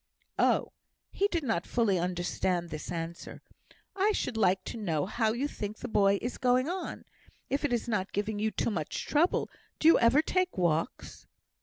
"Oh" he did not fully understand this answer "I should like to know how you think the boy is going on, if it is not giving you too much trouble; do you ever take walks?"